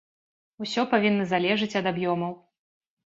Усё павінна залежыць ад аб'ёмаў.